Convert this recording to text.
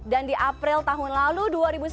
dan di april tahun lalu dua ribu sembilan belas